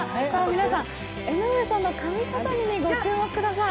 皆さん、江上さんの髪飾りにご注目ください。